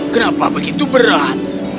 kenapa begitu berat